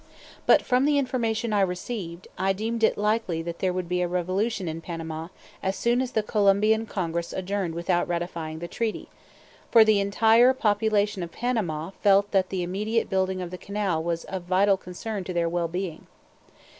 [*] But from the information I received, I deemed it likely that there would be a revolution in Panama as soon as the Colombian Congress adjourned without ratifying the treaty, for the entire population of Panama felt that the immediate building of the canal was of vital concern to their well being.